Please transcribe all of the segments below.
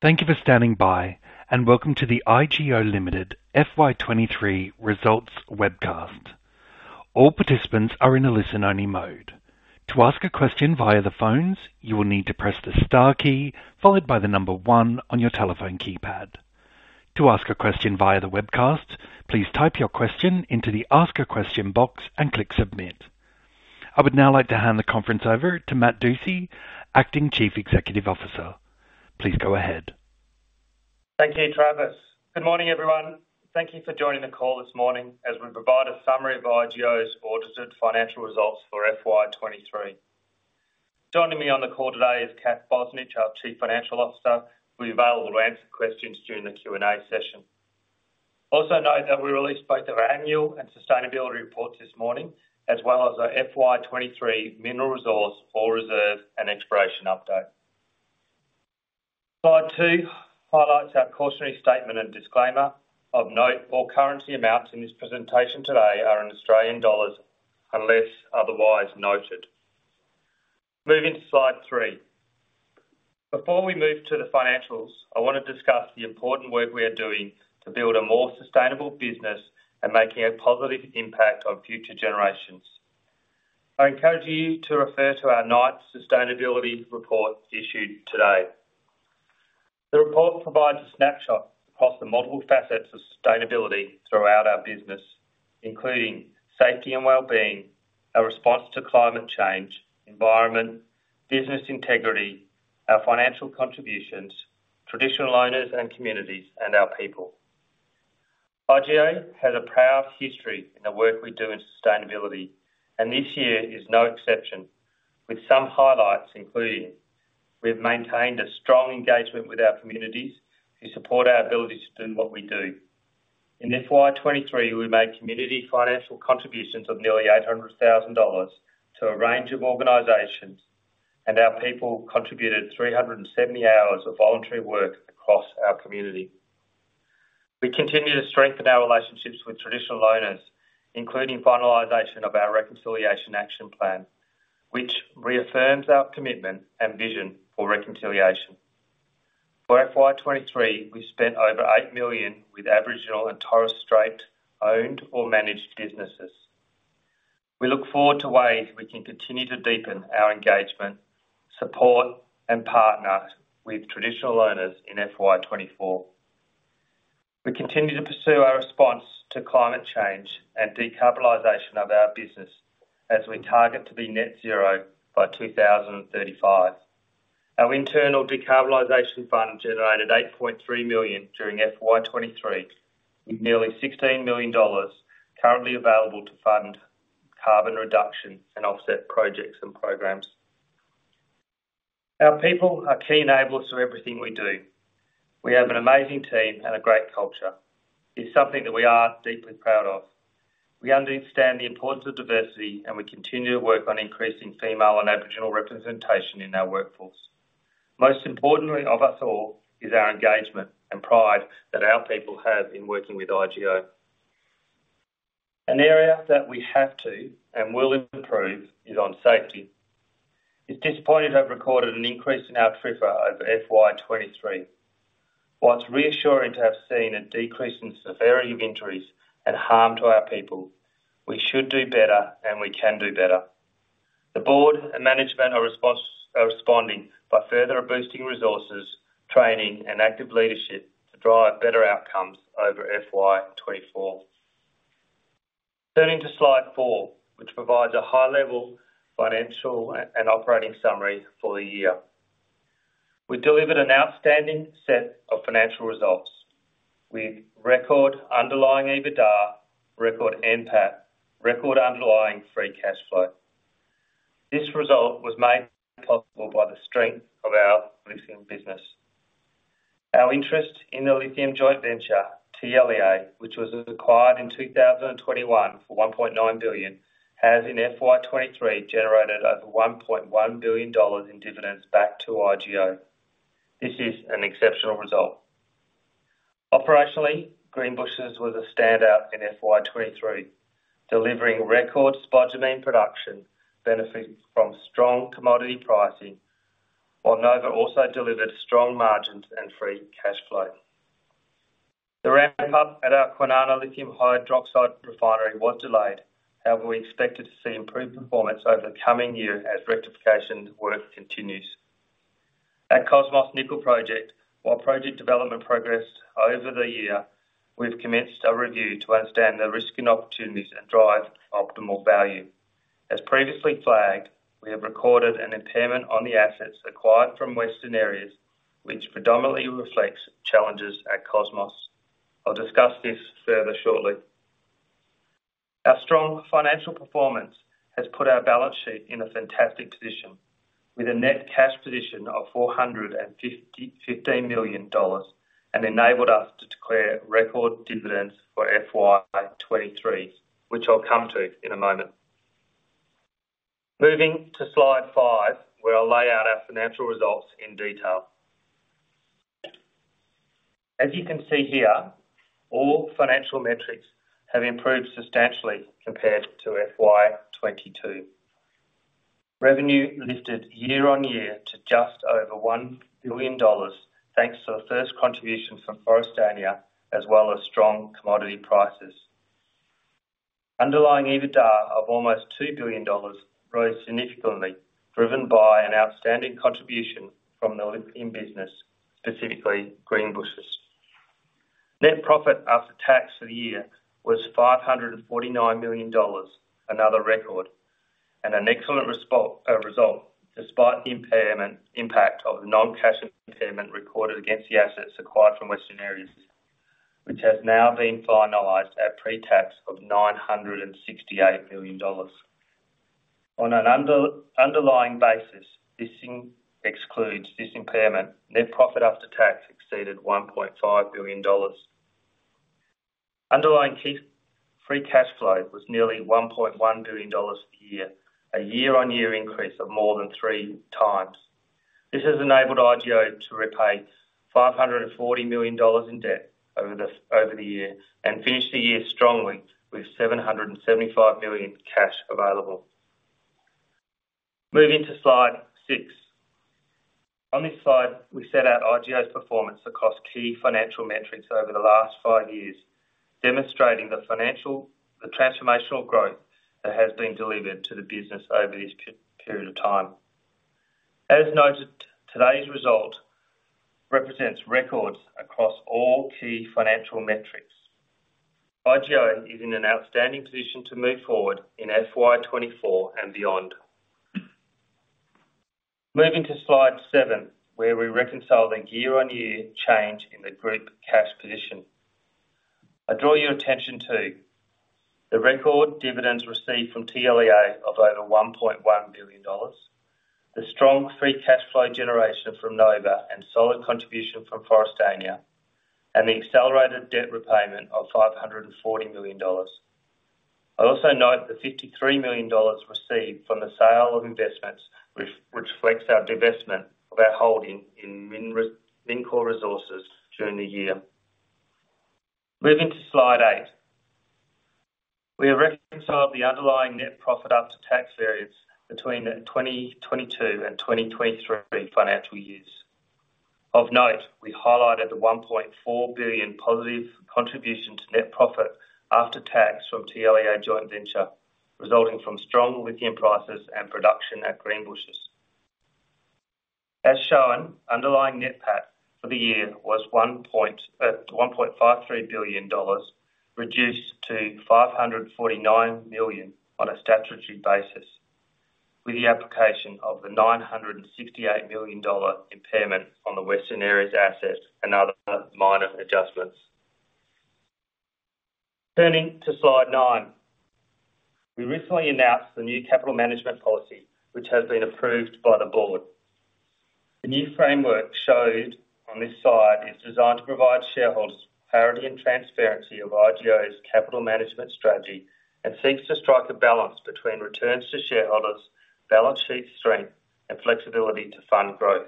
Thank you for standing by, and welcome to the IGO Limited FY 2023 results webcast. All participants are in a listen-only mode. To ask a question via the phones, you will need to press the star key, followed by the number one on your telephone keypad. To ask a question via the webcast, please type your question into the Ask a Question box and click Submit. I would now like to hand the conference over to Matt Dusci, Acting Chief Executive Officer. Please go ahead. Thank you, Travis. Good morning, everyone. Thank you for joining the call this morning as we provide a summary of IGO's audited financial results for FY 2023. Joining me on the call today is Kathleen Bozanic, our Chief Financial Officer. She will be available to answer questions during the Q&A session. Also note that we released both our annual and sustainability reports this morning, as well as our FY 2023 mineral resource, ore reserve, and exploration update. Slide 2 highlights our cautionary statement and disclaimer. Of note, all currency amounts in this presentation today are in Australian dollars, unless otherwise noted. Moving to Slide 3. Before we move to the financials, I want to discuss the important work we are doing to build a more sustainable business and making a positive impact on future generations. I encourage you to refer to our ninth Sustainability Report issued today. The report provides a snapshot across the multiple facets of sustainability throughout our business, including safety and well-being, our response to climate change, environment, business integrity, our financial contributions, traditional owners and communities, and our people. IGO has a proud history in the work we do in sustainability, and this year is no exception, with some highlights including: We have maintained a strong engagement with our communities who support our ability to do what we do. In FY 2023, we made community financial contributions of nearly 800,000 dollars to a range of organizations, and our people contributed 370 hours of voluntary work across our community. We continue to strengthen our relationships with traditional owners, including finalization of our Reconciliation Action Plan, which reaffirms our commitment and vision for reconciliation. For FY 2023, we spent over 8 million with Aboriginal and Torres Strait owned or managed businesses. We look forward to ways we can continue to deepen our engagement, support, and partners with traditional owners in FY 2024. We continue to pursue our response to climate change and decarbonization of our business as we target to be net zero by 2035. Our internal decarbonization fund generated 8.3 million during FY 2023, with nearly 16 million dollars currently available to fund carbon reduction and offset projects and programs. Our people are key enablers to everything we do. We have an amazing team and a great culture. It's something that we are deeply proud of. We understand the importance of diversity, and we continue to work on increasing female and Aboriginal representation in our workforce. Most importantly of us all, is our engagement and pride that our people have in working with IGO. An area that we have to and will improve is on safety. It's disappointing to have recorded an increase in our TRIFR over FY 2023. While it's reassuring to have seen a decrease in severity of injuries and harm to our people, we should do better and we can do better. The board and management are responding by further boosting resources, training, and active leadership to drive better outcomes over FY 2024. Turning to Slide 4, which provides a high-level financial and operating summary for the year. We delivered an outstanding set of financial results with record underlying EBITDA, record NPAT, record underlying free cash flow. This result was made possible by the strength of our lithium business. Our interest in the lithium joint venture, TLEA, which was acquired in 2021 for 1.9 billion, has in FY 2023 generated over 1.1 billion dollars in dividends back to IGO. This is an exceptional result. Operationally, Greenbushes was a standout in FY 2023, delivering record spodumene production, benefiting from strong commodity pricing, while Nova also delivered strong margins and free cash flow. The ramp-up at our Kwinana Lithium Hydroxide Refinery was delayed. However, we expected to see improved performance over the coming year as rectification work continues. At Cosmos Nickel Project, while project development progressed over the year, we've commenced a review to understand the risks and opportunities and drive optimal value. As previously flagged, we have recorded an impairment on the assets acquired from Western Areas, which predominantly reflects challenges at Cosmos. I'll discuss this further shortly. Our strong financial performance has put our balance sheet in a fantastic position, with a net cash position of 415 million dollars, and enabled us to declare record dividends for FY 2023, which I'll come to in a moment. Moving to Slide 5, where I'll lay out our financial results in detail. As you can see here, all financial metrics have improved substantially compared to FY 2022. Revenue lifted year-on-year to just over 1 billion dollars, thanks to the first contribution from Forrestania, as well as strong commodity prices. Underlying EBITDA of almost 2 billion dollars rose significantly, driven by an outstanding contribution from the lithium business, specifically Greenbushes. Net profit after tax for the year was 549 million dollars, another record, and an excellent result, despite the impairment impact of the non-cash impairment recorded against the assets acquired from Western Areas, which has now been finalized at pre-tax of 968 million dollars. On an underlying basis, this includes this impairment, net profit after tax exceeded 1.5 billion dollars. Underlying key free cash flow was nearly 1.1 billion dollars a year, a year-on-year increase of more than 3x. This has enabled IGO to repay 540 million dollars in debt over the year, and finish the year strongly with 775 million cash available. Moving to Slide 6. On this slide, we set out IGO's performance across key financial metrics over the last five years, demonstrating the financial transformational growth that has been delivered to the business over this period of time. As noted, today's result represents records across all key financial metrics. IGO is in an outstanding position to move forward in FY 2024 and beyond. Moving to Slide 7, where we reconcile the year-on-year change in the group cash position. I draw your attention to the record dividends received from TLEA of over 1.1 billion dollars, the strong free cash flow generation from Nova and solid contribution from Forrestania, and the accelerated debt repayment of 540 million dollars. I also note the 53 million dollars received from the sale of investments, which reflects our divestment of our holding in Mincor Resources during the year. Moving to Slide 8. We have reconciled the underlying net profit after tax variance between the 2022 and 2023 financial years. Of note, we highlighted the 1.4 billion positive contribution to net profit after tax from TLEA joint venture, resulting from strong lithium prices and production at Greenbushes. As shown, underlying net PAT for the year was 1.53 billion dollars, reduced to 549 million on a statutory basis, with the application of the 968 million dollar impairment on the Western Areas assets and other minor adjustments. Turning to Slide 9. We recently announced the new capital management policy, which has been approved by the board. The new framework showed on this side is designed to provide shareholders clarity and transparency of IGO's capital management strategy and seeks to strike a balance between returns to shareholders, balance sheet strength, and flexibility to fund growth.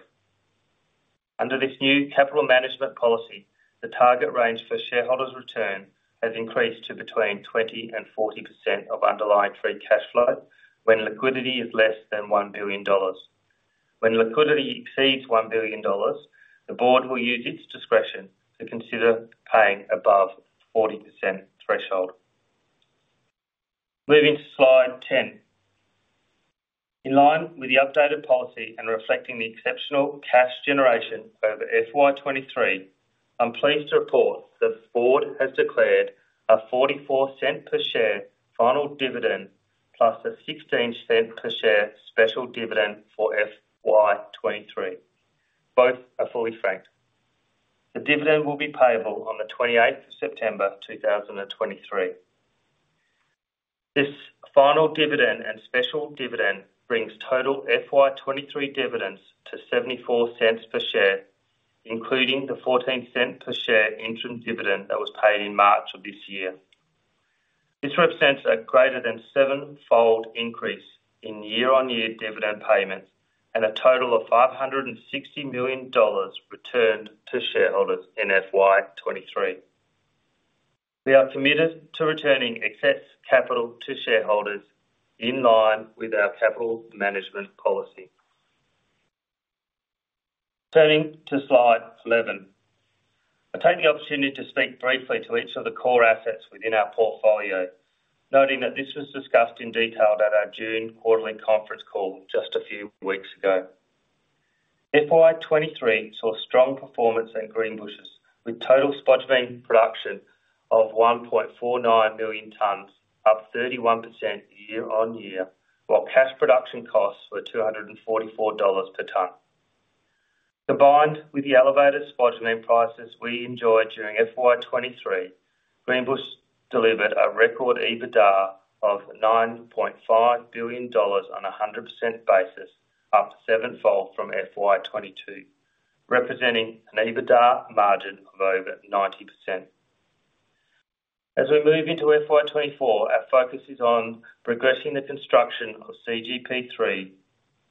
Under this new capital management policy, the target range for shareholders' return has increased to between 20% and 40% of underlying free cash flow when liquidity is less than 1 billion dollars. When liquidity exceeds 1 billion dollars, the board will use its discretion to consider paying above 40% threshold. Moving to Slide 10. In line with the updated policy and reflecting the exceptional cash generation over FY 2023, I'm pleased to report that the board has declared a 0.44 per share final dividend, plus a 0.16 per share special dividend for FY 2023. Both are fully franked. The dividend will be payable on the 28th of September, 2023. This final dividend and special dividend brings total FY 2023 dividends to 0.74 per share, including the 0.14 per share interim dividend that was paid in March of this year. This represents a greater than sevenfold increase in year-on-year dividend payments and a total of 560 million dollars returned to shareholders in FY 2023. We are committed to returning excess capital to shareholders in line with our capital management policy. Turning to Slide 11. I'll take the opportunity to speak briefly to each of the core assets within our portfolio, noting that this was discussed in detail at our June quarterly conference call just a few weeks ago. FY 2023 saw strong performance in Greenbushes, with total spodumene production of 1.49 million tons, up 31% year-on-year, while cash production costs were 244 dollars per ton. Combined with the elevated spodumene prices we enjoyed during FY 2023, Greenbushes delivered a record EBITDA of 9.5 billion dollars on a 100% basis, up sevenfold from FY 2022, representing an EBITDA margin of over 90%. As we move into FY 2024, our focus is on progressing the construction of CGP3,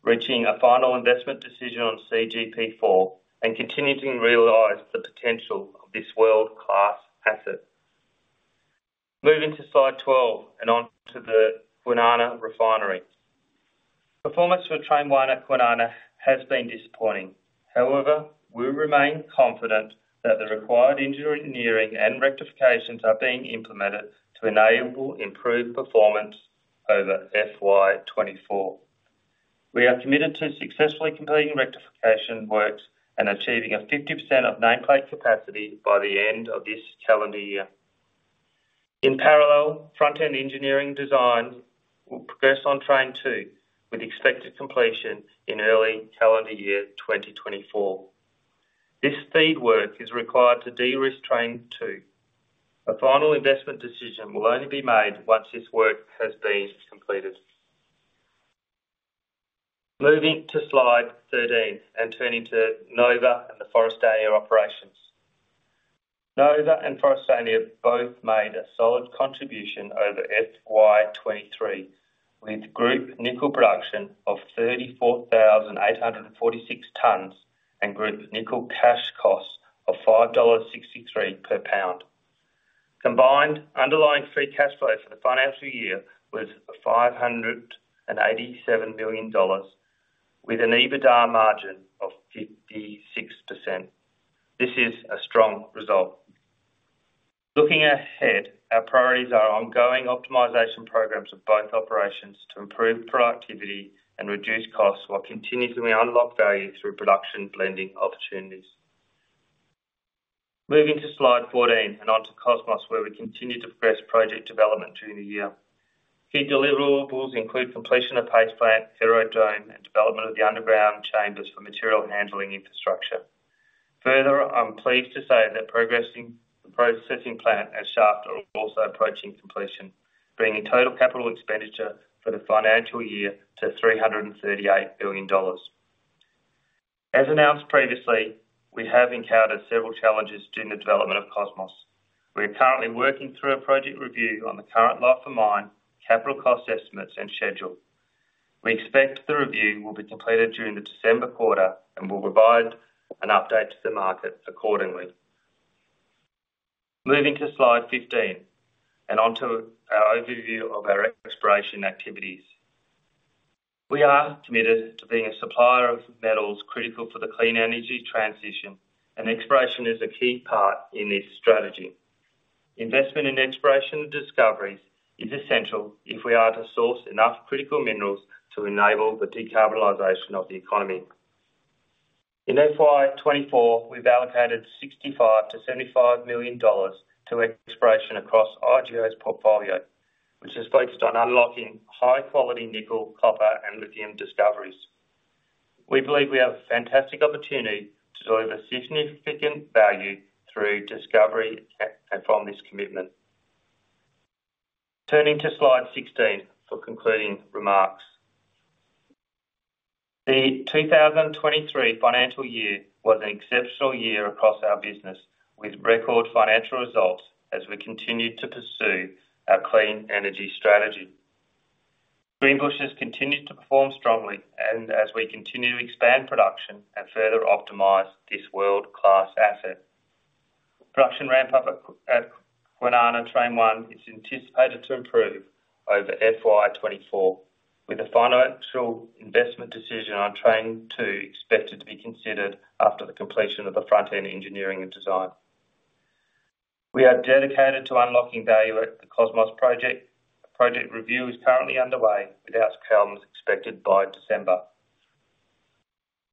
reaching a final investment decision on CGP4, and continuing to realize the potential of this world-class asset. Moving to Slide 12 and on to the Kwinana Refinery. Performance for Train 1 at Kwinana has been disappointing. However, we remain confident that the required engineering and rectifications are being implemented to enable improved performance over FY 2024. We are committed to successfully completing rectification works and achieving 50% of nameplate capacity by the end of this calendar year. In parallel, front-end engineering design will progress on Train 2, with expected completion in early calendar year 2024. This FEED work is required to de-risk Train 2. A final investment decision will only be made once this work has been completed. Moving to Slide 13 and turning to Nova and the Forrestania operations. Nova and Forrestania both made a solid contribution over FY 2023, with group nickel production of 34,846 tons and group nickel cash costs of 5.63 dollars per pound. Combined underlying free cash flow for the financial year was 587 million dollars, with an EBITDA margin of 56%. This is a strong result. Looking ahead, our priorities are ongoing optimization programs of both operations to improve productivity and reduce costs, while continuing to unlock value through production blending opportunities. Moving to Slide 14 and onto Cosmos, where we continue to progress project development during the year. Key deliverables include completion of paste plant, aerodrome, and development of the underground chambers for material handling infrastructure. Further, I'm pleased to say that progressing the processing plant and shaft are also approaching completion, bringing total capital expenditure for the financial year to 338 million dollars. As announced previously, we have encountered several challenges during the development of Cosmos. We are currently working through a project review on the current life of mine, capital cost estimates, and schedule. We expect the review will be completed during the December quarter and will provide an update to the market accordingly. Moving to Slide 15 and onto our overview of our exploration activities. We are committed to being a supplier of metals critical for the clean energy transition, and exploration is a key part in this strategy. Investment in exploration and discoveries is essential if we are to source enough critical minerals to enable the decarbonization of the economy. In FY 2024, we've allocated 65 million-75 million dollars to exploration across IGO's portfolio, which is focused on unlocking high-quality nickel, copper, and lithium discoveries. We believe we have a fantastic opportunity to deliver significant value through discovery and from this commitment. Turning to Slide 16 for concluding remarks. The 2023 financial year was an exceptional year across our business, with record financial results as we continued to pursue our clean energy strategy. Greenbushes continued to perform strongly, and as we continue to expand production and further optimize this world-class asset. Production ramp-up at Kwinana Train 1 is anticipated to improve over FY 2024, with a final investment decision on Train 2 expected to be considered after the completion of the front-end engineering and design. We are dedicated to unlocking value at the Cosmos project. A project review is currently underway, with outcomes expected by December.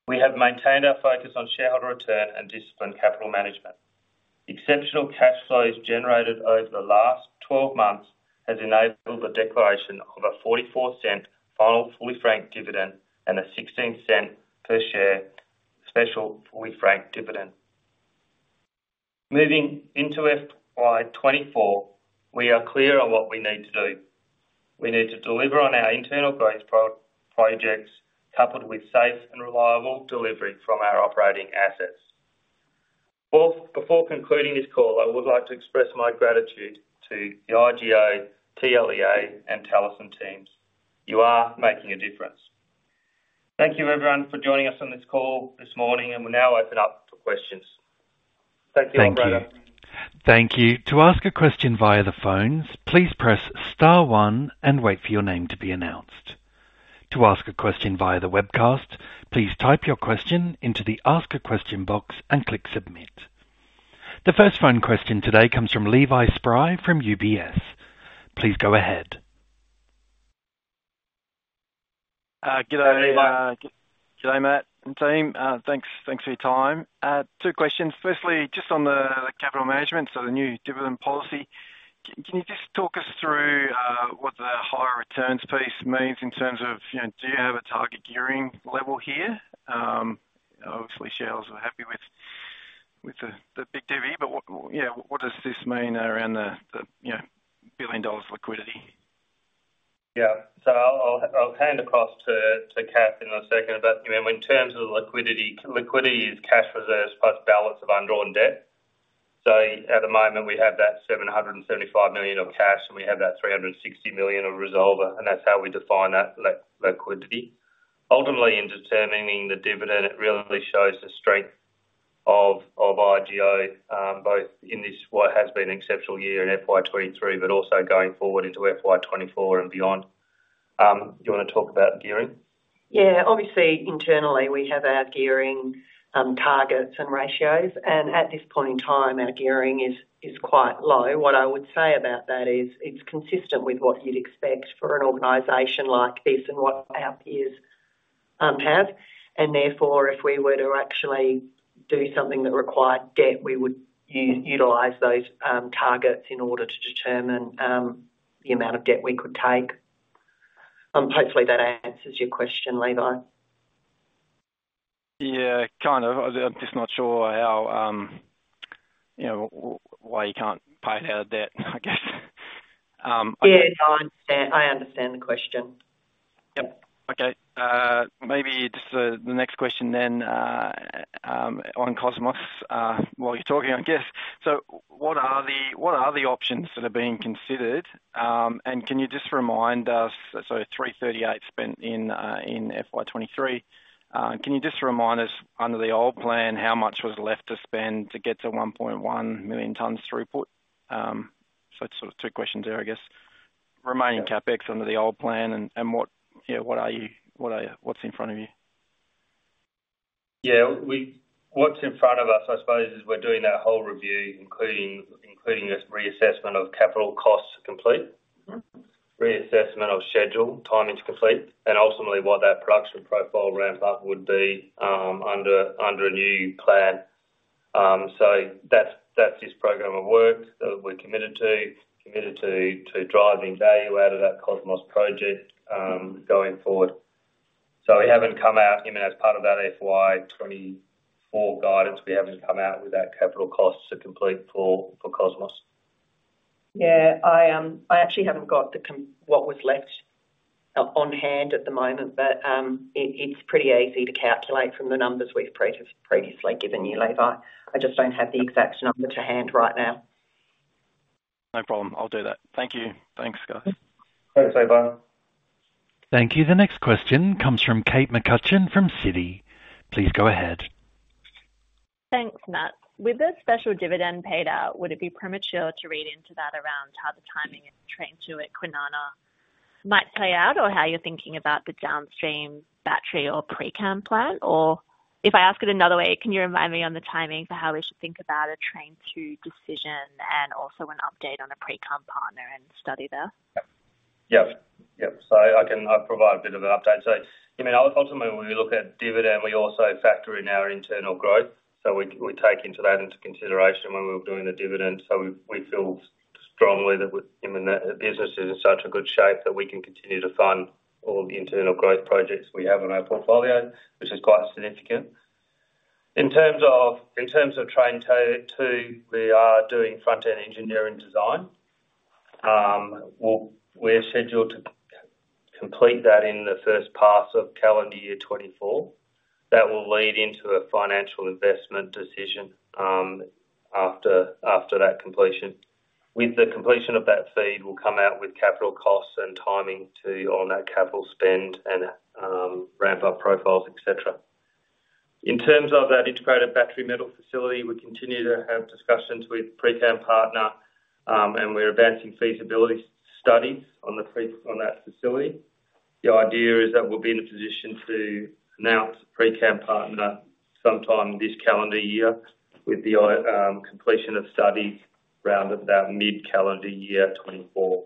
We have maintained our focus on shareholder return and disciplined capital management. Exceptional cash flows generated over the last 12 months has enabled the declaration of a 0.44 final fully franked dividend and a 0.16 per share special fully franked dividend. Moving into FY 2024, we are clear on what we need to do. We need to deliver on our internal growth projects, coupled with safe and reliable delivery from our operating assets. Before concluding this call, I would like to express my gratitude to the IGO, TLEA, and Talison teams. You are making a difference. Thank you, everyone, for joining us on this call this morning, and we'll now open up for questions. Thank you, everybody. Thank you. To ask a question via the phones, please press star one and wait for your name to be announced. To ask a question via the webcast, please type your question into the Ask a Question box and click Submit. The first phone question today comes from Levi Spry from UBS. Please go ahead. Good day, good day, Matt and team. Thanks, thanks for your time. Two questions. Firstly, just on the capital management, so the new dividend policy, can you just talk us through what the higher returns piece means in terms of, you know, do you have a target gearing level here? Obviously, shareholders are happy with the big divvy, but yeah, what does this mean around the, you know, 1 billion dollars liquidity? Yeah. So I'll hand across to Kath in a second about, you know, in terms of the liquidity. Liquidity is cash reserves plus balance of undrawn debt. So at the moment, we have that 775 million of cash, and we have that 360 million of revolver, and that's how we define that liquidity. Ultimately, in determining the dividend, it really shows the strength of IGO, both in this what has been an exceptional year in FY 2023, but also going forward into FY 2024 and beyond. Do you want to talk about gearing? Yeah. Obviously, internally, we have our gearing targets and ratios, and at this point in time, our gearing is quite low. What I would say about that is it's consistent with what you'd expect for an organization like this and what our peers have. And therefore, if we were to actually do something that required debt, we would utilize those targets in order to determine the amount of debt we could take. Hopefully that answers your question, Levi. Yeah, kind of. I'm just not sure how, you know, why you can't pay out of debt, I guess. Yeah, no, I understand. I understand the question. Yep. Okay, maybe just the next question then, on Cosmos, while you're talking, I guess. So what are the options that are being considered? And can you just remind us, so 338 spent in FY 2023. Can you just remind us, under the old plan, how much was left to spend to get to 1.1 million tons throughput? So sort of two questions there, I guess. Remaining CapEx under the old plan and, and what, yeah, what are you, what are you, what's in front of you? Yeah, what's in front of us, I suppose, is we're doing that whole review, including this reassessment of capital costs to complete. Mm-hmm. Reassessment of schedule, timing to complete, and ultimately what that production profile ramp up would be under a new plan. So that's this program of work that we're committed to driving value out of that Cosmos project going forward. So we haven't come out, even as part of that FY 2024 guidance, we haven't come out with that capital costs to complete for Cosmos. Yeah, I actually haven't got what was left on hand at the moment, but it's pretty easy to calculate from the numbers we've previously given you, Levi. I just don't have the exact number to hand right now. No problem. I'll do that. Thank you. Thanks, guys. Thanks, Levi. Thank you. The next question comes from Kate McCutcheon from Citi. Please go ahead. Thanks, Matt. With this special dividend paid out, would it be premature to read into that around how the timing and Train 2 at Kwinana might play out, or how you're thinking about the downstream battery precursor plan? Or if I ask it another way, can you remind me on the timing for how we should think about a Train 2 decision and also an update on a PCAM plan and study there? Yep. Yep. So I can, I'll provide a bit of an update. So, I mean, ultimately, when we look at dividend, we also factor in our internal growth. So we take that into consideration when we were doing the dividend. So we feel strongly that we, I mean, the business is in such a good shape that we can continue to fund all the internal growth projects we have on our portfolio, which is quite significant. In terms of Train 2, we are doing front-end engineering design. We're scheduled to complete that in the first part of calendar year 2024. That will lead into a financial investment decision after that completion. With the completion of that FEED, we'll come out with capital costs and timing to on that capital spend and ramp-up profiles, et cetera. In terms of that Integrated Battery Material Facility, we continue to have discussions with PCAM partner, and we're advancing feasibility studies on that facility. The idea is that we'll be in a position to announce the PCAM partner sometime this calendar year, with the completion of studies around about mid-calendar year 2024.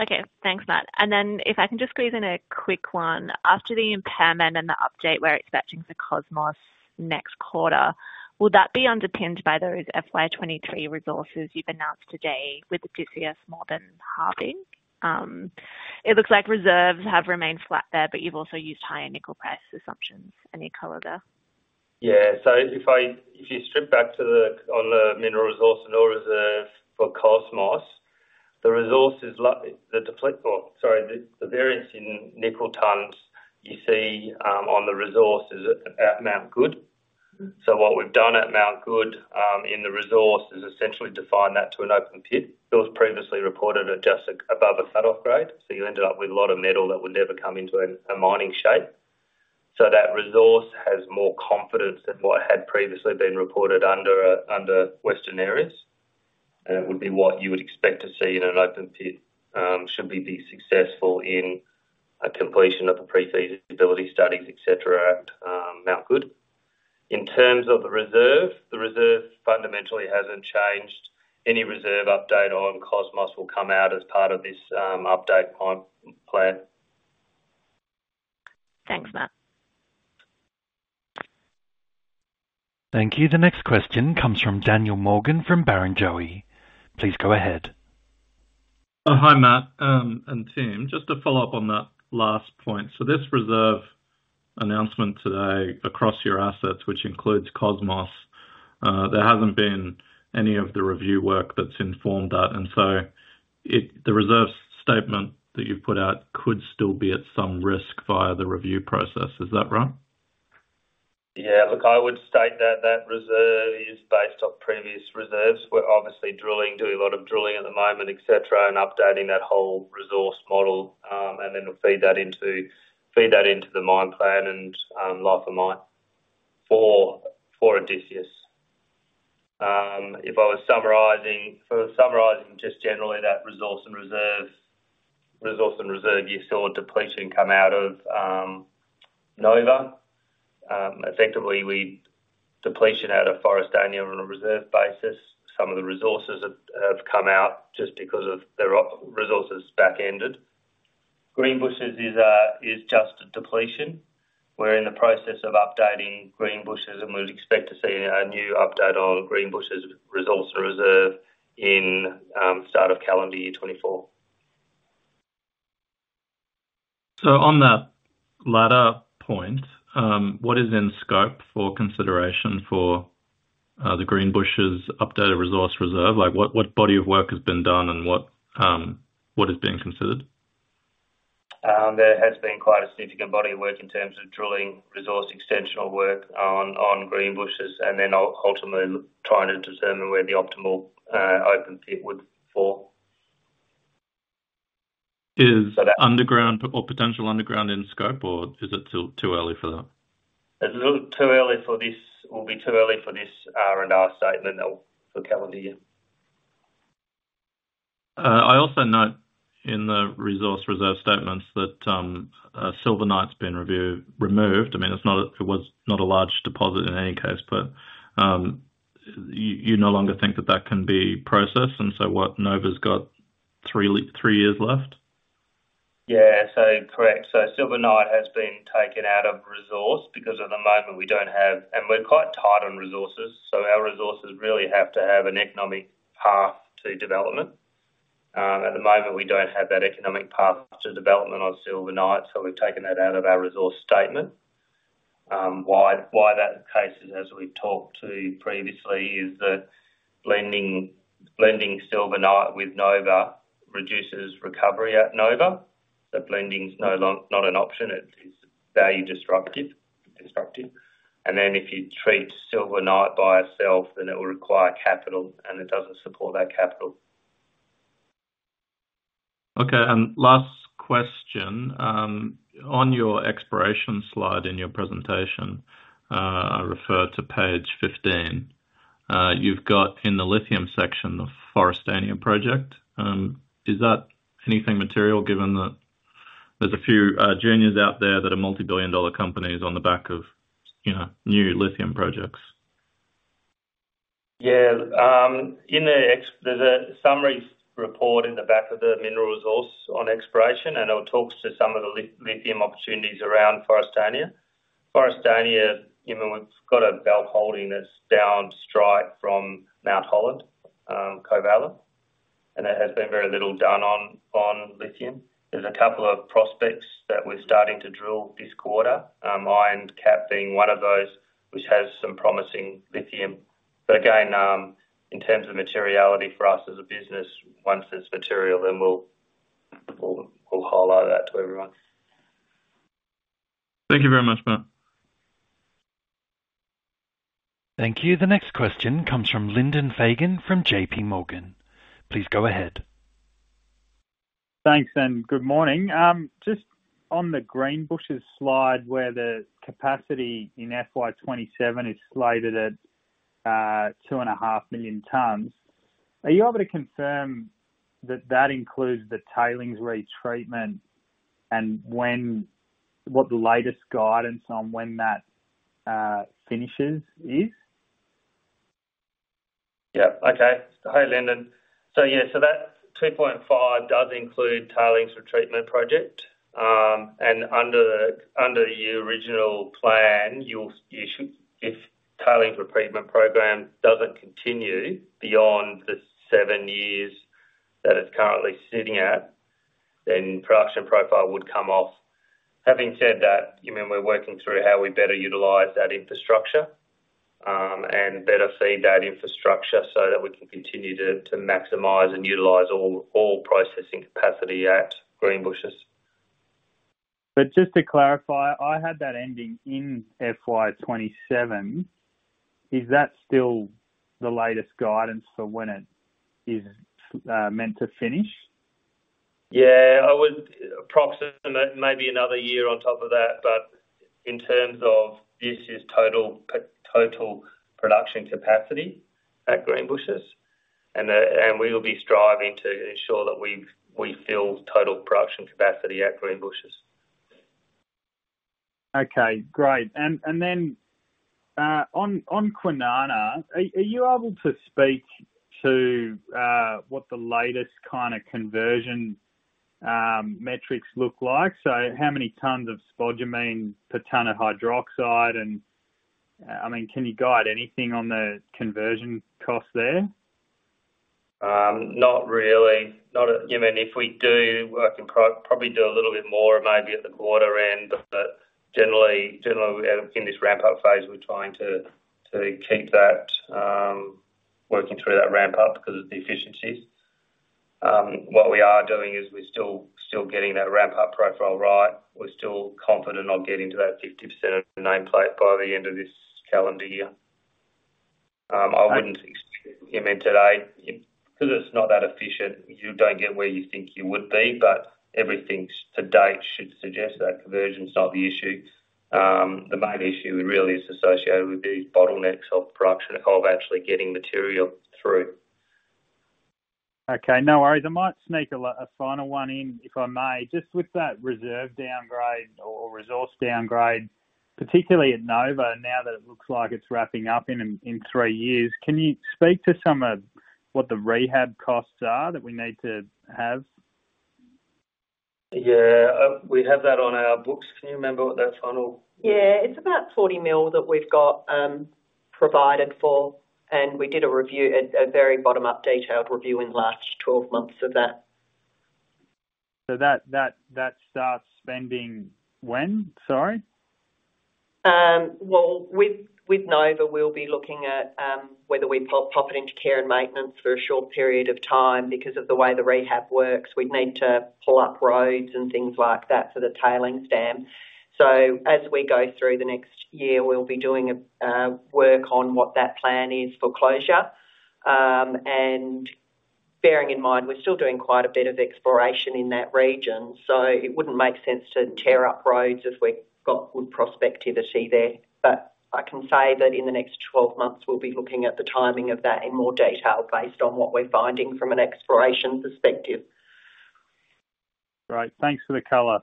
Okay. Thanks, Matt. And then if I can just squeeze in a quick one. After the impairment and the update, we're expecting for Cosmos next quarter, will that be underpinned by those FY 2023 resources you've announced today, with the DCF more than halving? It looks like reserves have remained flat there, but you've also used higher nickel price assumptions. Any color there? Yeah. So if you strip back to the, on the mineral resource and ore reserve for Cosmos, the variance in nickel tons you see, on the resources at Mount Goode. So what we've done at Mount Goode, in the resource, is essentially defined that to an open pit. It was previously reported at just above a cut-off grade, so you ended up with a lot of metal that would never come into a, a mining shape. So that resource has more confidence than what had previously been reported under, under Western Areas. And it would be what you would expect to see in an open pit, should we be successful in a completion of the pre-feasibility studies, et cetera, at, Mount Goode. In terms of the reserve, the reserve fundamentally hasn't changed. Any reserve update on Cosmos will come out as part of this update plan. Thanks, Matt. Thank you. The next question comes from Daniel Morgan, from Barrenjoey. Please go ahead. Hi, Matt, and team. Just to follow up on that last point. So this reserve announcement today across your assets, which includes Cosmos. There hasn't been any of the review work that's informed that, and so the reserve statement that you've put out could still be at some risk via the review process. Is that right? Yeah, look, I would state that that reserve is based off previous reserves. We're obviously drilling, doing a lot of drilling at the moment, et cetera, and updating that whole resource model, and then we'll feed that into, feed that into the mine plan and, life of mine for, for Odysseus. If I was summarizing, so summarizing, just generally, that resource and reserve, resource and reserve, you saw depletion come out of, Nova. Effectively, we depletion out of Forrestania on a reserve basis. Some of the resources, have, have come out just because of the resources back-ended. Greenbushes is, is just a depletion. We're in the process of updating Greenbushes, and we would expect to see a new update on Greenbushes' resource and reserve in, start of calendar year 2024. So on that latter point, what is in scope for consideration for the Greenbushes updated resource reserve? Like, what body of work has been done and what is being considered? There has been quite a significant body of work in terms of drilling, resource extension work on Greenbushes, and then ultimately trying to determine where the optimal open pit would fall. Is underground or potential underground in scope, or is it still too early for that? It's too early for this. Will be too early for this R&R statement for calendar year. I also note in the resource reserve statements that Silver Knight's been removed. I mean, it was not a large deposit in any case, but you no longer think that can be processed, and so what? Nova's got three years left? Yeah. So correct. So Silver Knight has been taken out of resource because at the moment we don't have. And we're quite tight on resources, so our resources really have to have an economic path to development. At the moment, we don't have that economic path to development on Silver Knight, so we've taken that out of our resource statement. Why that is the case is, as we've talked to previously, is that blending Silver Knight with Nova reduces recovery at Nova. So blending is no longer an option. It is value disruptive, destructive. And then if you treat Silver Knight by itself, then it will require capital, and it doesn't support that capital. Okay, and last question. On your exploration slide in your presentation, I refer to Page 15. You've got in the lithium section, the Forrestania project. Is that anything material, given that there's a few juniors out there that are multi-billion dollar companies on the back of, you know, new lithium projects? Yeah. In the appendix, there's a summary report in the back of the mineral resource on exploration, and it talks to some of the lithium opportunities around Forrestania. Forrestania, you know, it's got a belt holding that's down strike from Mount Holland, Covalent, and there has been very little done on lithium. There's a couple of prospects that we're starting to drill this quarter, Ironcap being one of those, which has some promising lithium. But again, in terms of materiality for us as a business, once it's material, then we'll highlight that to everyone. Thank you very much, Matt. Thank you. The next question comes from Lyndon Fagan, from JPMorgan. Please go ahead. Thanks, and good morning. Just on the Greenbushes slide, where the capacity in FY 2027 is slated at 2.5 million tons. Are you able to confirm that that includes the tailings retreatment and what the latest guidance on when that finishes is? Yeah. Okay. Hi, Lyndon. So yeah, so that 2.5 million tons does include tailings retreatment project. And under the original plan, you should, if tailings retreatment program doesn't continue beyond the seven years that it's currently sitting at, then production profile would come off. Having said that, you know, we're working through how we better utilize that infrastructure, and better feed that infrastructure so that we can continue to maximize and utilize all processing capacity at Greenbushes. Just to clarify, I had that ending in FY 2027. Is that still the latest guidance for when it is meant to finish? Yeah, I would approximate maybe another year on top of that, but in terms of this is total production capacity at Greenbushes, and we will be striving to ensure that we've, we fill total production capacity at Greenbushes. Okay, great. And then, on Kwinana, are you able to speak to what the latest kind of conversion metrics look like? So how many tons of spodumene per ton of hydroxide? And, I mean, can you guide anything on the conversion cost there? Not really. Not, you know, if we do, I can probably do a little bit more maybe at the quarter end, but generally, we, in this ramp-up phase, we're trying to keep that working through that ramp up because of the efficiencies. What we are doing is we're still getting that ramp-up profile right. We're still confident I'll get into that 50% of the nameplate by the end of this calendar year. I wouldn't expect, you know, today, because it's not that efficient, you don't get where you think you would be, but everything to date should suggest that conversion's not the issue. The main issue really is associated with these bottlenecks of production, of actually getting material through. Okay, no worries. I might sneak a final one in, if I may. Just with that reserve downgrade or resource downgrade, particularly at Nova, now that it looks like it's wrapping up in three years, can you speak to some of what the rehab costs are that we need to have? Yeah, we have that on our books. Can you remember what that final? Yeah, it's about 40 million that we've got provided for, and we did a review, a very bottom-up detailed review in the last 12 months of that. So that starts spending when? Sorry. Well, with Nova, we'll be looking at whether we pop it into care and maintenance for a short period of time. Because of the way the rehab works, we'd need to pull up roads and things like that for the tailings dam. So as we go through the next year, we'll be doing a work on what that plan is for closure. And bearing in mind, we're still doing quite a bit of exploration in that region, so it wouldn't make sense to tear up roads if we've got good prospectivity there. But I can say that in the next 12 months, we'll be looking at the timing of that in more detail based on what we're finding from an exploration perspective. Great. Thanks for the color.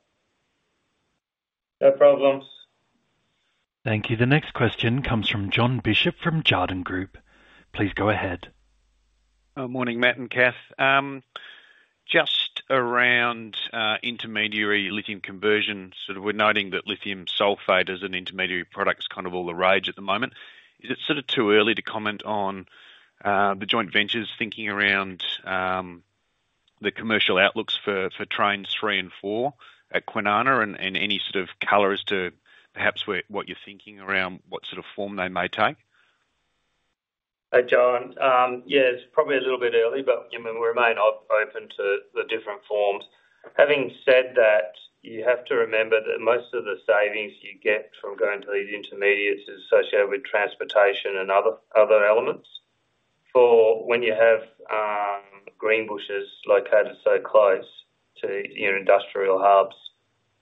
No problems. Thank you. The next question comes from Jon Bishop from Jarden Group. Please go ahead. Morning, Matt and Kath. Just around intermediary lithium conversion. So we're noting that lithium sulfate as an intermediary product is kind of all the rage at the moment. Is it sort of too early to comment on the joint ventures thinking around the commercial outlooks for Trains 3 and 4 at Kwinana, and any sort of color as to perhaps where, what you're thinking around what sort of form they may take? Hey, Jon. Yeah, it's probably a little bit early, but, you know, we remain open to the different forms. Having said that, you have to remember that most of the savings you get from going to these intermediates is associated with transportation and other, other elements. For when you have, Greenbushes located so close to your industrial hubs,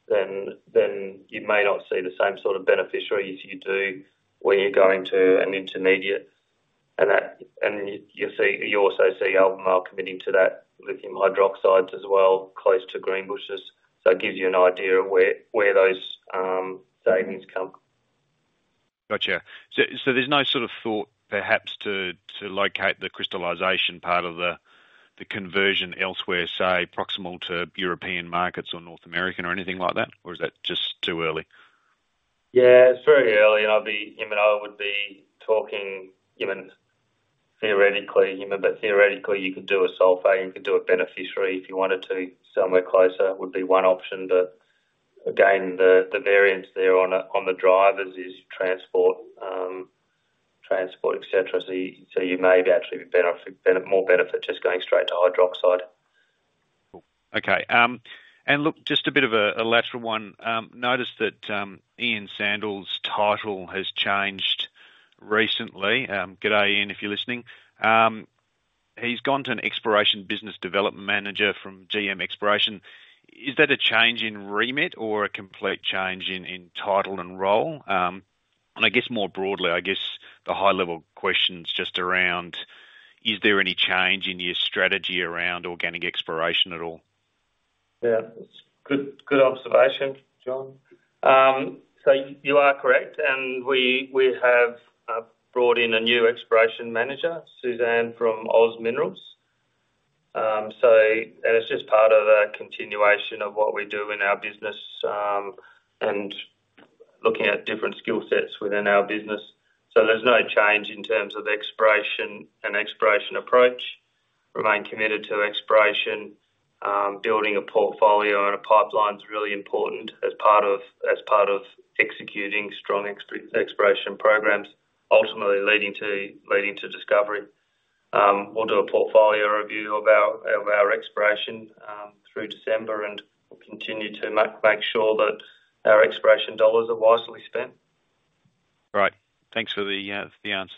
then, then you may not see the same sort of beneficiaries you do when you're going to an intermediate. And that, and you, you see, you also see Albemarle committing to that, lithium hydroxides as well, close to Greenbushes. So it gives you an idea of where, where those, savings come. Gotcha. So there's no sort of thought, perhaps, to locate the crystallization part of the conversion elsewhere, say, proximal to European markets or North American or anything like that? Or is that just too early? Yeah, it's very early, and I'll be. You know, I would be talking even theoretically, you know, but theoretically, you could do a sulfate, you could do a beneficiation if you wanted to. Somewhere closer would be one option, but again, the variance there on the drivers is transport, transport, et cetera. So you may actually benefit more just going straight to hydroxide. Cool. Okay, and look, just a bit of a lateral one. Noticed that Ian Sandl's title has changed recently. Good day, Ian, if you're listening. He's gone to an Exploration Business Development Manager from GM Exploration. Is that a change in remit or a complete change in title and role? And I guess more broadly, I guess the high-level question is just around: Is there any change in your strategy around organic exploration at all? Yeah, it's good, good observation, Jon. So you are correct, and we, we have brought in a new exploration manager, Suzanne, from OZ Minerals. So and it's just part of a continuation of what we do in our business, and looking at different skill sets within our business. So there's no change in terms of exploration and exploration approach. Remain committed to exploration. Building a portfolio and a pipeline is really important as part of, as part of executing strong exploration programs, ultimately leading to, leading to discovery. We'll do a portfolio review of our, of our exploration, through December, and we'll continue to make sure that our exploration dollars are wisely spent. Great. Thanks for the answer.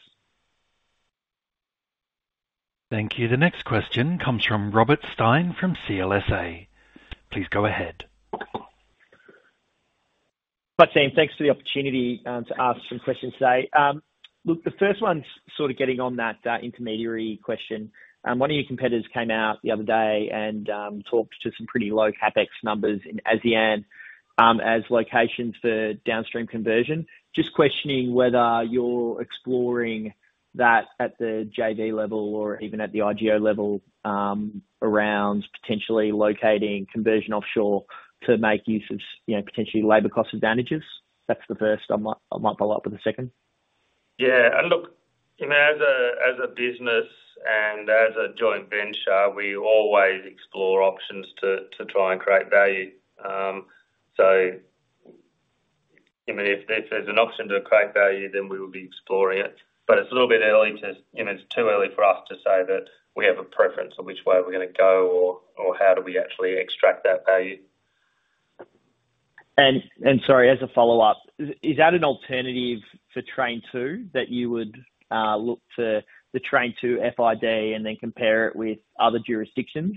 Thank you. The next question comes from Robert Stein of CLSA. Please go ahead. Hi, team. Thanks for the opportunity to ask some questions today. Look, the first one's sort of getting on that intermediary question. One of your competitors came out the other day and talked to some pretty low CapEx numbers in ASEAN as locations for downstream conversion. Just questioning whether you're exploring that at the JV level or even at the IGO level around potentially locating conversion offshore to make use of, you know, potentially labor cost advantages? That's the first. I might, I might follow up with a second. Yeah, and look, you know, as a business and as a joint venture, we always explore options to try and create value. So, I mean, if there's an option to create value, then we will be exploring it. But it's a little bit early to, you know, it's too early for us to say that we have a preference on which way we're gonna go or how do we actually extract that value. Sorry, as a follow-up, is that an alternative for Train 2, that you would look to the Train 2 FID and then compare it with other jurisdictions?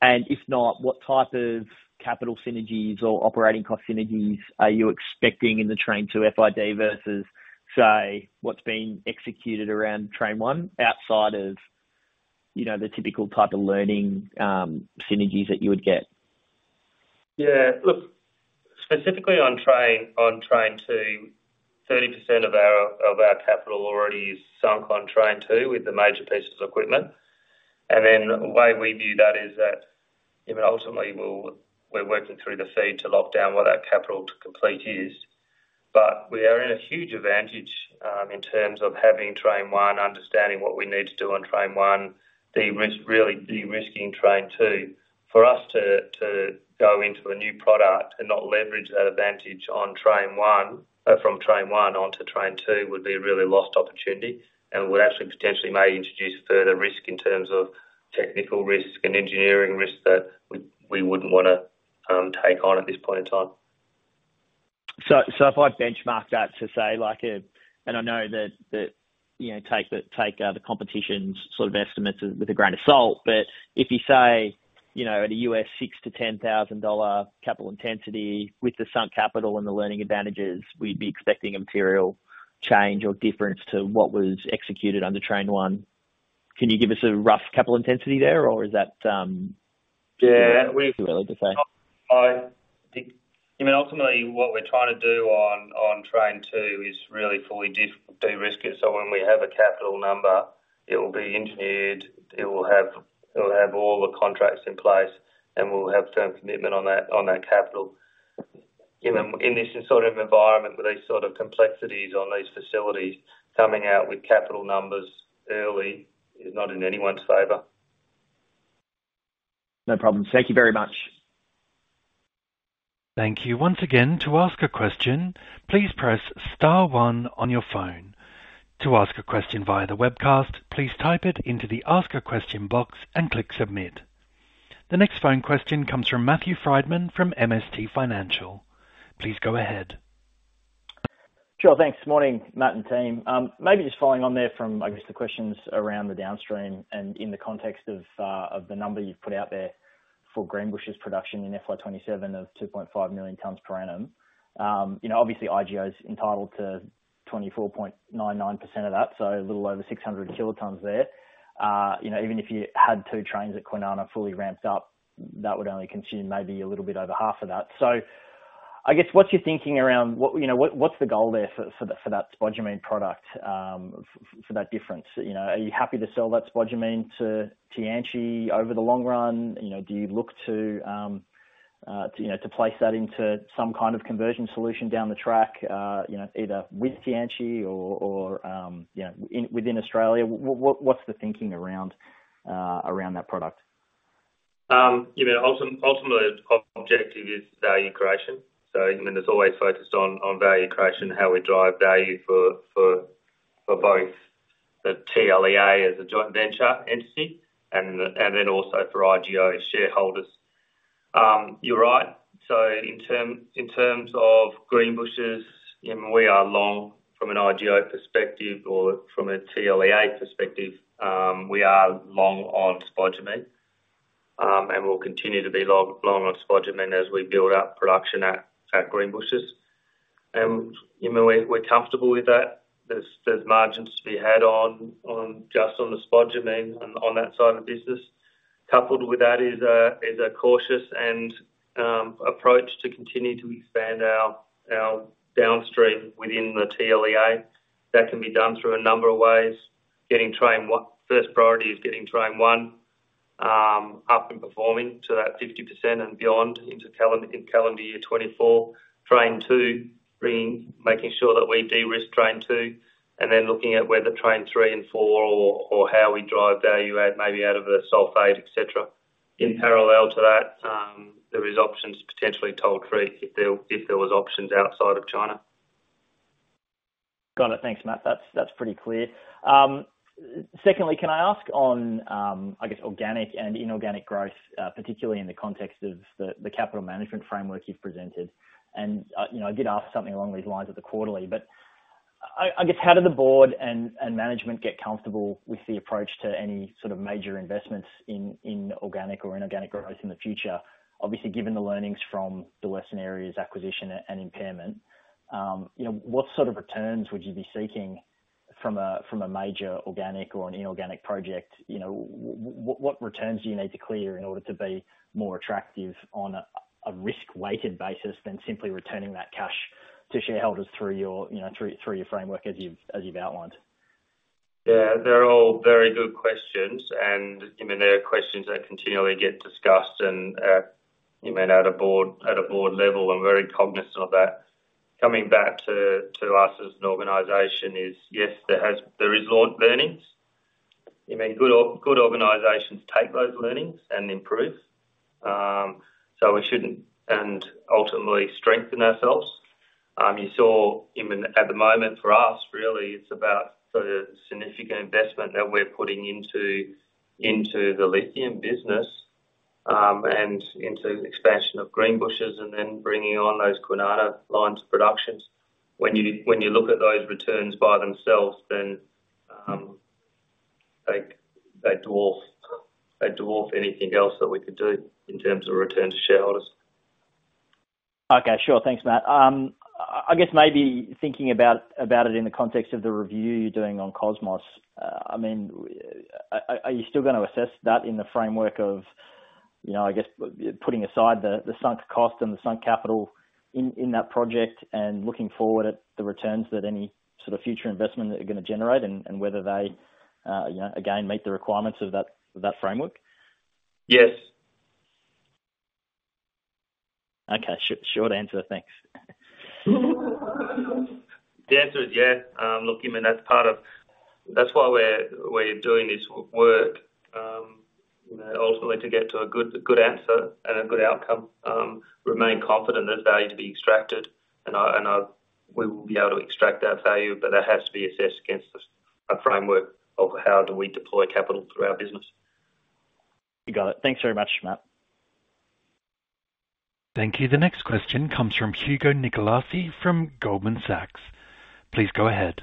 And if not, what type of capital synergies or operating cost synergies are you expecting in the Train 2 FID versus, say, what's been executed around Train 1, outside of, you know, the typical type of learning synergies that you would get? Yeah, look, specifically on Train, on Train 2, 30% of our, of our capital already is sunk on Train 2 with the major pieces of equipment. And then the way we view that is that, you know, ultimately we're working through the FEED to lock down what our capital to complete is. But we are in a huge advantage in terms of having Train 1, understanding what we need to do on Train 1, derisk, really derisking Train 2. For us to go into a new product and not leverage that advantage on Train 1, from Train 1 on to Train 2, would be a really lost opportunity, and we actually potentially may introduce further risk in terms of technical risk and engineering risk that we wouldn't wanna take on at this point in time. So if I benchmark that to, say, like a, and I know that, you know, take the competition's sort of estimates with a grain of salt, but if you say, you know, at a 6,000-10,000 dollar capital intensity with the sunk capital and the learning advantages, we'd be expecting a material change or difference to what was executed under Train 1. Can you give us a rough capital intensity there, or is that? Yeah, we. Too early to say? I, you know, ultimately what we're trying to do on Train 2 is really fully derisk it. So when we have a capital number, it will be engineered, it will have all the contracts in place, and we'll have firm commitment on that capital. You know, in this sort of environment, with these sort of complexities on these facilities, coming out with capital numbers early is not in anyone's favor. No problem. Thank you very much. Thank you once again. To ask a question, please press star one on your phone. To ask a question via the webcast, please type it into the Ask a Question box and click Submit. The next phone question comes from Matthew Frydman from MST Financial. Please go ahead. Sure. Thanks. Morning, Matt and team. Maybe just following on there from, I guess, the questions around the downstream and in the context of, of the number you've put out there for Greenbushes production in FY 2027 of 2.5 million tonnes per annum. You know, obviously IGO's entitled to 24.99% of that, so a little over 600 kilotonnes there. You know, even if you Trains at Kwinana fully ramped up, that would only consume maybe a little bit over half of that. So I guess, what's your thinking around, what, you know, what, what's the goal there for, for that, for that spodumene product, for that difference? You know, are you happy to sell that spodumene to, Tianqi over the long run? You know, do you look to place that into some kind of conversion solution down the track, you know, either with Tianqi or you know, within Australia? What, what's the thinking around that product? You know, ultimately, the objective is value creation. So, I mean, it's always focused on value creation, how we drive value for both the TLEA as a joint venture entity and then also for IGO shareholders. You're right. So in terms of Greenbushes, you know, we are long from an IGO perspective or from a TLEA perspective, we are long on spodumene, and we'll continue to be long on spodumene as we build out production at Greenbushes. And, you know, we're comfortable with that. There's margins to be had on just on the spodumene and on that side of the business. Coupled with that is a cautious approach to continue to expand our downstream within the TLEA. That can be done through a number of ways. Getting Train 1, first priority is getting Train 2 up and performing to that 50% and beyond into calendar year 2024. Train 2, bringing, making sure that we derisk Train 2, and then looking at whether Train 3 and 4 or, or how we drive value add maybe out of a sulfate, et cetera. In parallel to that, there is options potentially toll-free if there, if there was options outside of China. Got it. Thanks, Matt. That's, that's pretty clear. Secondly, can I ask on, I guess, organic and inorganic growth, particularly in the context of the, the capital management framework you've presented? And, you know, I did ask something along these lines at the quarterly, but I, I guess, how do the board and, and management get comfortable with the approach to any sort of major investments in, in organic or inorganic growth in the future? Obviously, given the learnings from the Western Areas acquisition and impairment, you know, what sort of returns would you be seeking from a, from a major organic or an inorganic project? You know, what returns do you need to clear in order to be more attractive on a risk-weighted basis than simply returning that cash to shareholders through your, you know, through your framework as you've outlined? Yeah, they're all very good questions, and, I mean, they are questions that continually get discussed and, you know, at a board level, I'm very cognizant of that. Coming back to us as an organization is, yes, there is learnings. You know, good organizations take those learnings and improve. So we shouldn't. And ultimately strengthen ourselves. You saw, even at the moment, for us, really, it's about the significant investment that we're putting into the lithium business, and into the expansion of Greenbushes and then bringing on those Kwinana lines of productions. When you look at those returns by themselves, then, they dwarf anything else that we could do in terms of return to shareholders. Okay, sure. Thanks, Matt. I guess maybe thinking about it in the context of the review you're doing on Cosmos. I mean, are you still gonna assess that in the framework of, you know, I guess, putting aside the sunk cost and the sunk capital in that project and looking forward at the returns that any sort of future investment that you're gonna generate and whether they, you know, again, meet the requirements of that framework? Yes. Okay, short answer. Thanks. The answer is yes. Look, I mean, that's part of. That's why we're doing this work, you know, ultimately to get to a good, good answer and a good outcome. Remain confident there's value to be extracted, and we will be able to extract that value, but that has to be assessed against a framework of how do we deploy capital through our business. You got it. Thanks very much, Matt. Thank you. The next question comes from Hugo Nicolaci from Goldman Sachs. Please go ahead.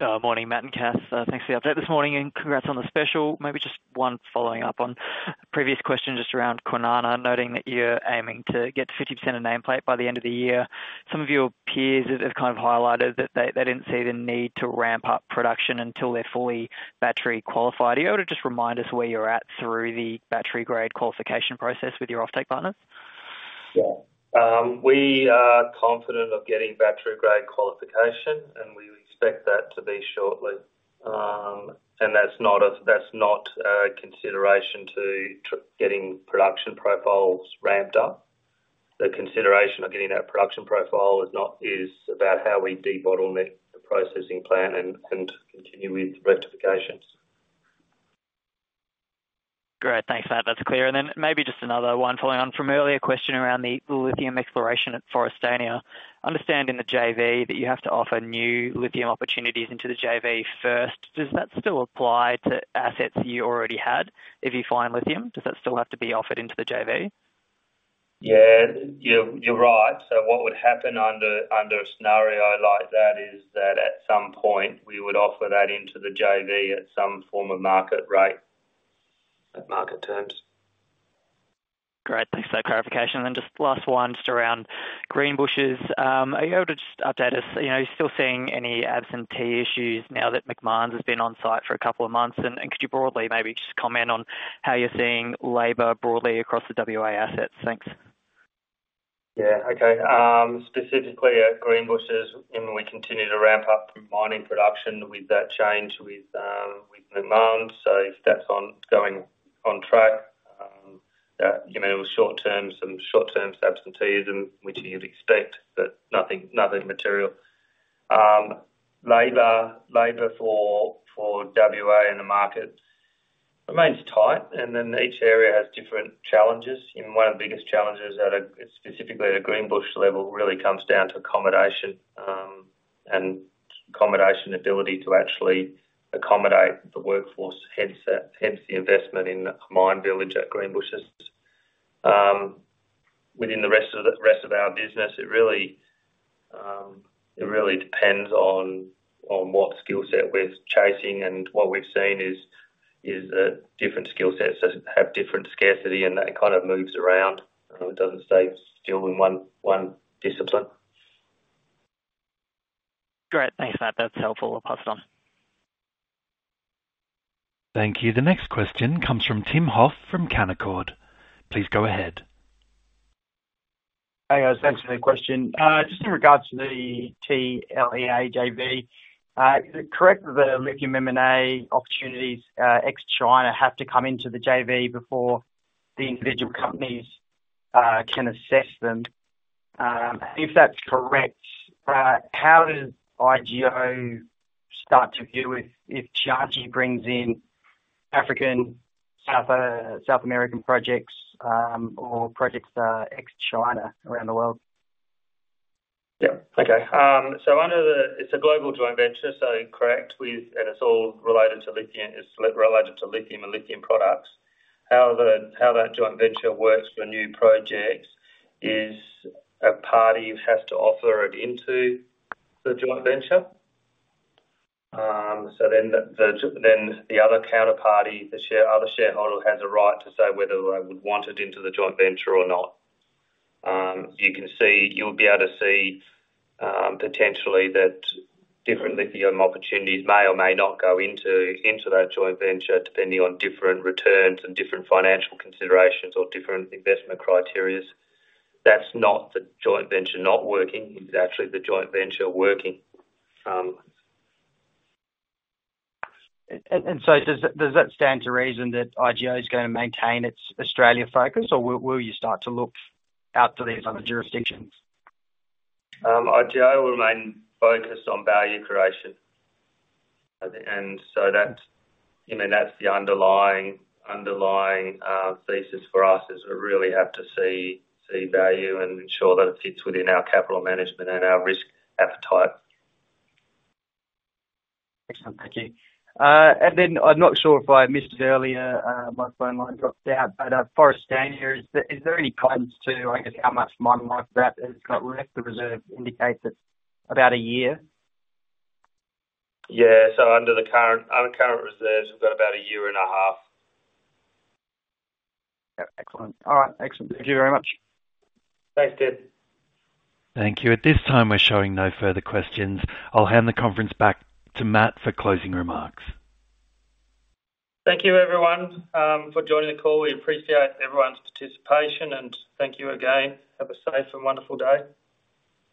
Morning, Matt and Kath. Thanks for the update this morning, and congrats on the special. Maybe just one following up on a previous question just around Kwinana, noting that you're aiming to get to 50% of nameplate by the end of the year. Some of your peers have kind of highlighted that they didn't see the need to ramp up production until they're fully battery qualified. Are you able to just remind us where you're at through the battery-grade qualification process with your offtake partners? Yeah. We are confident of getting battery-grade qualification, and we expect that to be shortly. And that's not a consideration to getting production profiles ramped up. The consideration of getting that production profile is not, is about how we de-bottleneck the processing plant and continue with rectifications. Great. Thanks, Matt. That's clear. And then maybe just another one following on from earlier question around the lithium exploration at Forrestania. Understanding the JV, that you have to offer new lithium opportunities into the JV first, does that still apply to assets you already had if you find lithium? Does that still have to be offered into the JV? Yeah, you're right. So what would happen under a scenario like that is that at some point we would offer that into the JV at some form of market rate, at market terms. Great. Thanks for that clarification. And then just last one, just around Greenbushes. Are you able to just update us, you know, are you still seeing any absentee issues now that Macmahon has been on site for a couple of months? And could you broadly maybe just comment on how you're seeing labor broadly across the WA assets? Thanks. Yeah. Okay. Specifically at Greenbushes, and we continue to ramp up mining production with that change with Macmahon. So that's on, going on track. That you know short term, some short-term absenteeism, which you'd expect, but nothing material. Labor for WA in the market remains tight, and then each area has different challenges. And one of the biggest challenges at a, specifically at a Greenbushes level, really comes down to accommodation, and accommodation ability to actually accommodate the workforce, hence the investment in the mine village at Greenbushes. Within the rest of the, rest of our business, it really, it really depends on what skill set we're chasing, and what we've seen is that different skill sets have different scarcity, and that kind of moves around. It doesn't stay still in one discipline. Great. Thanks, Matt. That's helpful. I'll pass it on. Thank you. The next question comes from Tim Hoff from Canaccord. Please go ahead. Hey, guys. Thanks for the question. Just in regards to the TLEA JV, is it correct that the lithium M&A opportunities, ex-China have to come into the JV before the individual companies, can assess them? If that's correct, how does IGO start to view if Tianqi brings in African, South, South American projects, or projects, ex-China around the world? Yeah. Okay. So under the... It's a global joint venture, so correct, we've and it's all related to lithium, it's related to lithium and lithium products. How that joint venture works for new projects is a party has to offer it into the joint venture. So then the other counterparty, the other shareholder, has a right to say whether they would want it into the joint venture or not. You'll be able to see potentially that different lithium opportunities may or may not go into that joint venture, depending on different returns and different financial considerations or different investment criteria. That's not the joint venture not working, it's actually the joint venture working. So does that stand to reason that IGO is gonna maintain its Australia focus, or will you start to look out to these other jurisdictions? IGO will remain focused on value creation. And so that, you know, that's the underlying thesis for us, is we really have to see value and ensure that it fits within our capital management and our risk appetite. Excellent. Thank you. And then I'm not sure if I missed it earlier, my phone line dropped out, but, Forrestania, is there, is there any guidance to, I guess, how much mine life that has got left? The reserve indicates it's about a year. Yeah. So under current reserves, we've got about a year and a half. Yeah. Excellent. All right. Excellent. Thank you very much. Thanks, Tim. Thank you. At this time, we're showing no further questions. I'll hand the conference back to Matt for closing remarks. Thank you, everyone, for joining the call. We appreciate everyone's participation and thank you again. Have a safe and wonderful day.